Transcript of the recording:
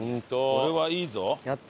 これはいいぞ。